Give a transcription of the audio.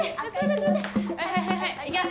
はいはいはいはいいくよ。